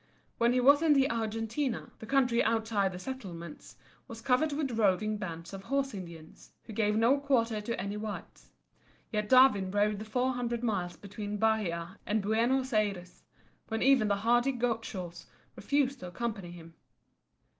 When he was in the Argentine, the country outside the Settlements was covered with roving bands of horse Indians, who gave no quarter to any whites. Yet Darwin rode the four hundred miles between Bahia and Buenos Ayres, when even the hardy Gauchos refused to accompany him.